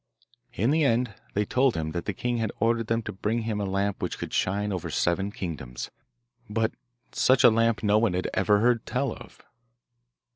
In the end they told him that the king had ordered them to bring him a lamp which could shine over seven kingdoms, but such a lamp no one had ever heard tell of.